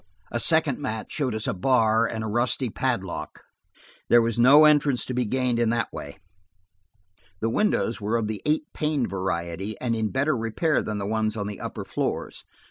A second match showed us a bar and a rusty padlock; there was no entrance to be gained in that way The windows were of the eight paned variety, and in better repair than the ones on the upper floors.